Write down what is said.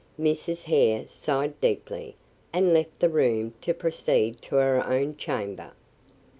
Mrs. Hare sighed deeply, and left the room to proceed to her own chamber.